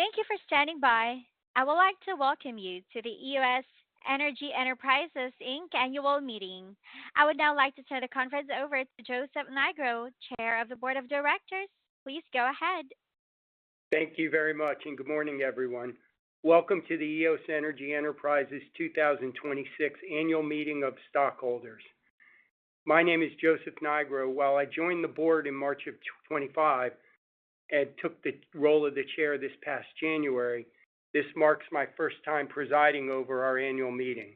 Thank you for standing by. I would like to welcome you to the Eos Energy Enterprises, Inc. annual meeting. I would now like to turn the conference over to Joseph Nigro, Chair of the Board of Directors. Please go ahead. Thank you very much, and good morning, everyone. Welcome to the Eos Energy Enterprises 2026 annual meeting of stockholders. My name is Joseph Nigro. While I joined the Board in March of 2025 and took the role of the Chair this past January, this marks my first time presiding over our annual meeting.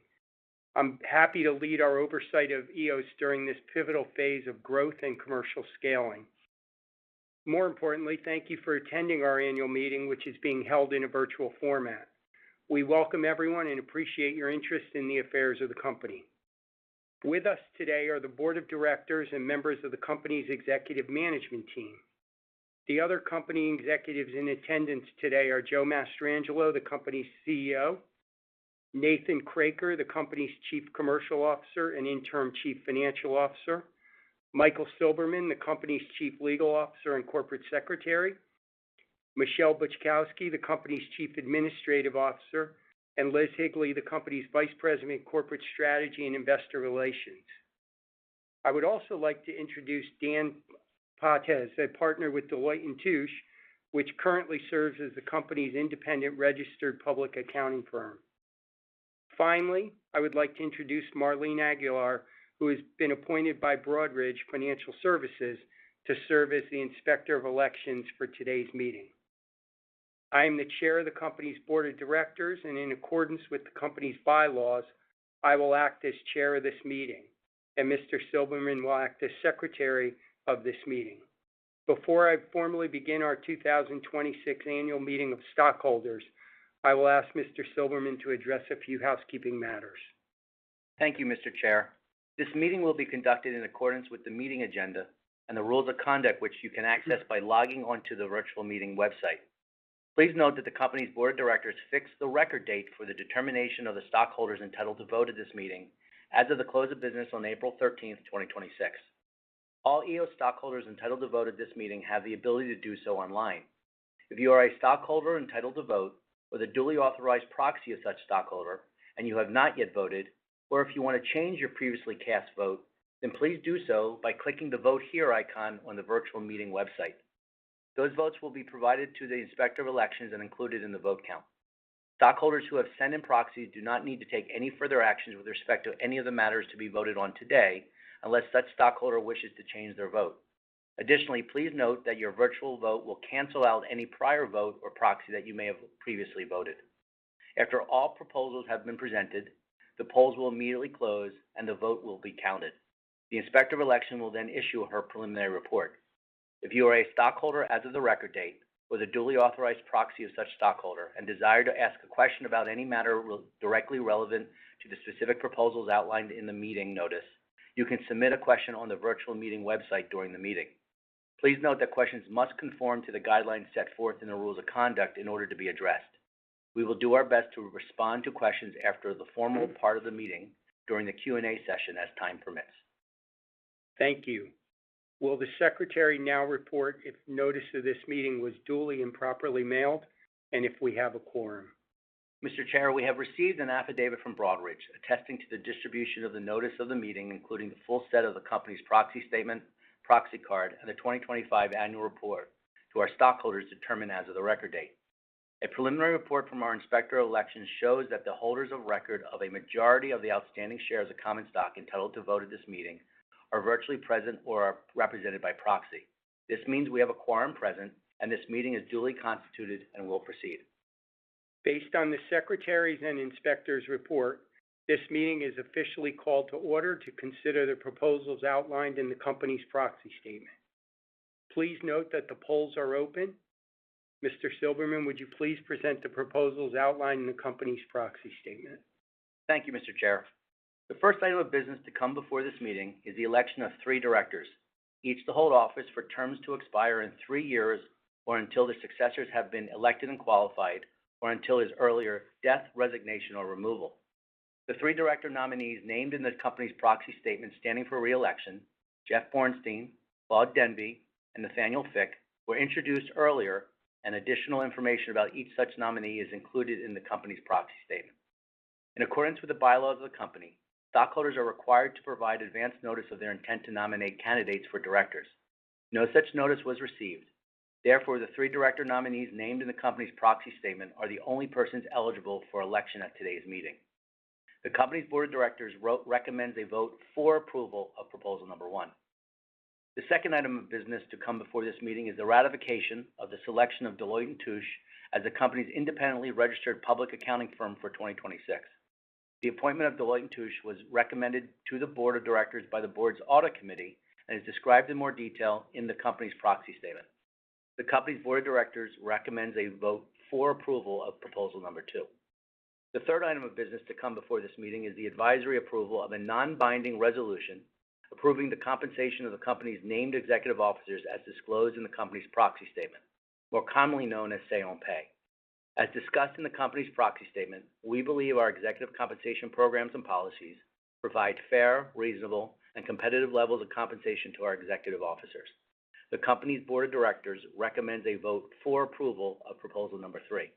I'm happy to lead our oversight of Eos during this pivotal phase of growth and commercial scaling. More importantly, thank you for attending our annual meeting, which is being held in a virtual format. We welcome everyone and appreciate your interest in the affairs of the company. With us today are the Board of Directors and members of the company's executive management team. The other company executives in attendance today are Joe Mastrangelo, the Company's CEO; Nathan Kroeker, the Company's Chief Commercial Officer and Interim Chief Financial Officer; Michael Silberman, the Company's Chief Legal Officer and Corporate Secretary; Michelle Buczkowski, the Company's Chief Administrative Officer, and Liz Higley, the Company's Vice President of Corporate Strategy and Investor Relations. I would also like to introduce Dan Potez, a partner with Deloitte & Touche, which currently serves as the Company's independent registered public accounting firm. Finally, I would like to introduce Marlene Aguilar, who has been appointed by Broadridge Financial Solutions to serve as the Inspector of Elections for today's meeting. I am the Chair of the Company's Board of Directors, and in accordance with the Company's bylaws, I will act as Chair of this meeting, and Mr. Silberman will act as Secretary of this meeting. Before I formally begin our 2026 annual meeting of stockholders, I will ask Mr. Silberman to address a few housekeeping matters. Thank you, Mr. Chair. This meeting will be conducted in accordance with the meeting agenda and the rules of conduct, which you can access by logging on to the virtual meeting website. Please note that the company's board of directors fixed the record date for the determination of the stockholders entitled to vote at this meeting as of the close of business on April 13th, 2026. All Eos stockholders entitled to vote at this meeting have the ability to do so online. If you are a stockholder entitled to vote or the duly authorized proxy of such stockholder and you have not yet voted, or if you want to change your previously cast vote, then please do so by clicking the Vote Here icon on the virtual meeting website. Those votes will be provided to the inspector of elections and included in the vote count. Stockholders who have sent in proxies do not need to take any further actions with respect to any of the matters to be voted on today, unless such stockholder wishes to change their vote. Please note that your virtual vote will cancel out any prior vote or proxy that you may have previously voted. After all proposals have been presented, the polls will immediately close, and the vote will be counted. The Inspector of Election will then issue her preliminary report. If you are a stockholder as of the record date or the duly authorized proxy of such stockholder and desire to ask a question about any matter directly relevant to the specific proposals outlined in the meeting notice, you can submit a question on the virtual meeting website during the meeting. Please note that questions must conform to the guidelines set forth in the rules of conduct in order to be addressed. We will do our best to respond to questions after the formal part of the meeting during the Q&A session, as time permits. Thank you. Will the secretary now report if notice of this meeting was duly and properly mailed, and if we have a quorum? Mr. Chair, we have received an affidavit from Broadridge attesting to the distribution of the notice of the meeting, including the full set of the company's proxy statement, proxy card, and the 2025 annual report to our stockholders determined as of the record date. A preliminary report from our Inspector of Elections shows that the holders of record of a majority of the outstanding shares of common stock entitled to vote at this meeting are virtually present or are represented by proxy. This means we have a quorum present, and this meeting is duly constituted and will proceed. Based on the secretary's and inspector's report, this meeting is officially called to order to consider the proposals outlined in the company's proxy statement. Please note that the polls are open. Mr. Silberman, would you please present the proposals outlined in the company's proxy statement? Thank you, Mr. Chair. The first item of business to come before this meeting is the election of three directors, each to hold office for terms to expire in three years, or until their successors have been elected and qualified, or until his earlier death, resignation, or removal. The three director nominees named in the company's proxy statement standing for re-election, Jeff Bornstein, Claude Demby, and Nathaniel Fick, were introduced earlier, and additional information about each such nominee is included in the company's proxy statement. In accordance with the bylaws of the company, stockholders are required to provide advance notice of their intent to nominate candidates for directors. No such notice was received. The three director nominees named in the company's proxy statement are the only persons eligible for election at today's meeting. The company's board of directors recommends a vote for approval of proposal number one. The second item of business to come before this meeting is the ratification of the selection of Deloitte & Touche as the company's independently registered public accounting firm for 2026. The appointment of Deloitte & Touche was recommended to the board of directors by the board's audit committee and is described in more detail in the company's proxy statement. The company's board of directors recommends a vote for approval of proposal number two. The third item of business to come before this meeting is the advisory approval of a non-binding resolution approving the compensation of the company's named executive officers as disclosed in the company's proxy statement, more commonly known as Say on Pay. As discussed in the company's proxy statement, we believe our executive compensation programs and policies provide fair, reasonable, and competitive levels of compensation to our executive officers. The company's board of directors recommends a vote for approval of proposal number three.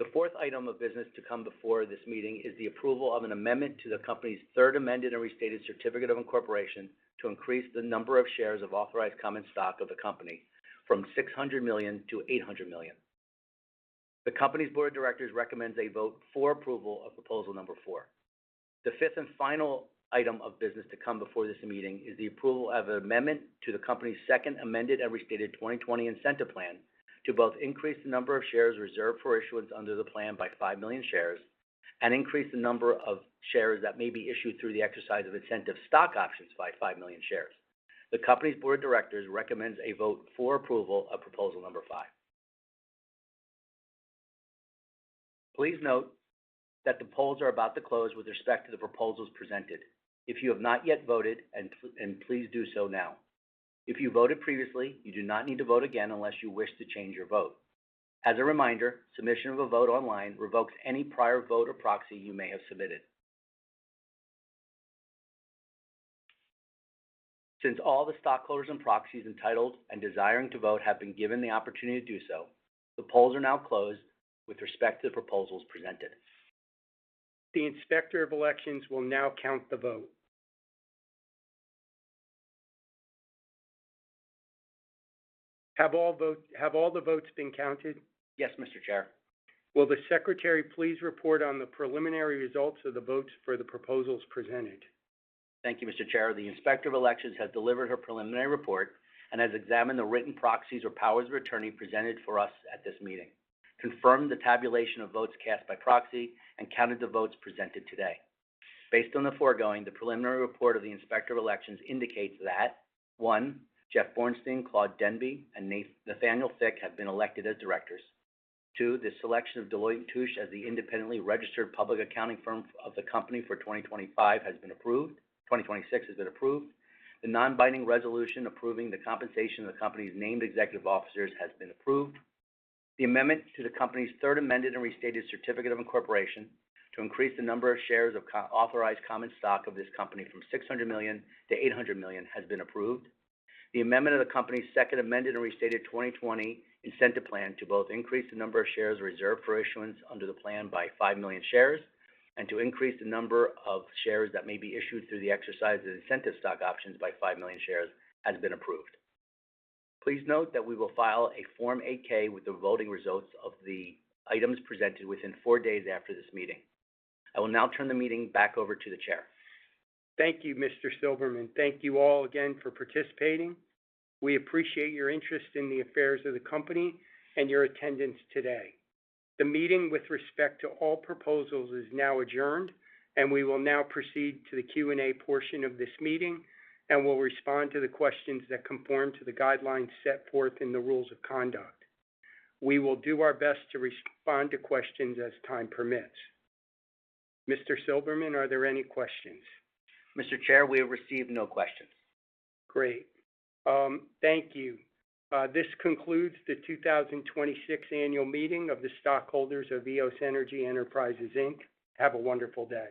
The fourth item of business to come before this meeting is the approval of an amendment to the company's third amended and restated certificate of incorporation to increase the number of shares of authorized common stock of the company from 600 million-800 million. The company's board of directors recommends a vote for approval of proposal number four. The fifth and final item of business to come before this meeting is the approval of an amendment to the company's Second Amended and Restated 2020 Incentive Plan to both increase the number of shares reserved for issuance under the plan by 5 million shares and increase the number of shares that may be issued through the exercise of incentive stock options by 5 million shares. The company's board of directors recommends a vote for approval of proposal number five. Please note that the polls are about to close with respect to the proposals presented. If you have not yet voted, please do so now. If you voted previously, you do not need to vote again unless you wish to change your vote. As a reminder, submission of a vote online revokes any prior vote or proxy you may have submitted. Since all the stockholders and proxies entitled and desiring to vote have been given the opportunity to do so, the polls are now closed with respect to the proposals presented. The Inspector of Elections will now count the vote. Have all the votes been counted? Yes, Mr. Chair. Will the secretary please report on the preliminary results of the votes for the proposals presented? Thank you, Mr. Chair. The Inspector of Elections has delivered her preliminary report and has examined the written proxies or powers of attorney presented for us at this meeting, confirmed the tabulation of votes cast by proxy, and counted the votes presented today. Based on the foregoing, the preliminary report of the Inspector of Elections indicates that, one, Jeff Bornstein, Claude Demby, and Nathaniel Fick have been elected as directors. Two, the selection of Deloitte & Touche as the independently registered public accounting firm of the company for 2025 has been approved, 2026 has been approved. The non-binding resolution approving the compensation of the company's named executive officers has been approved. The amendment to the company's third amended and restated certificate of incorporation to increase the number of shares of authorized common stock of this company from 600 million-800 million has been approved. The amendment of the company's Second Amended and Restated 2020 Incentive Plan to both increase the number of shares reserved for issuance under the plan by 5 million shares and to increase the number of shares that may be issued through the exercise of incentive stock options by 5 million shares has been approved. Please note that we will file a Form 8-K with the voting results of the items presented within four days after this meeting. I will now turn the meeting back over to the chair. Thank you, Mr. Silberman. Thank you all again for participating. We appreciate your interest in the affairs of the company and your attendance today. The meeting with respect to all proposals is now adjourned. We will now proceed to the Q&A portion of this meeting. We'll respond to the questions that conform to the guidelines set forth in the rules of conduct. We will do our best to respond to questions as time permits. Mr. Silberman, are there any questions? Mr. Chair, we have received no questions. Great. Thank you. This concludes the 2026 annual meeting of the stockholders of Eos Energy Enterprises, Inc. Have a wonderful day.